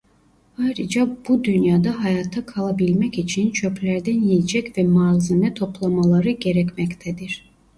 Ayrıca bu dünyada hayatta kalabilmek için çöplerden yiyecek ve malzeme toplamaları gerekmektedir.